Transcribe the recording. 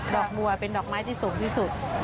อกบัวเป็นดอกไม้ที่สูงที่สุด